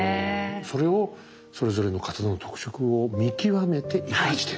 それをそれぞれの刀の特色を見極めて生かしてと。